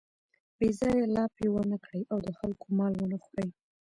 بې ځایه لاپې و نه کړي او د خلکو مال و نه خوري.